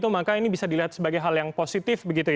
maka ini bisa dilihat sebagai hal yang positif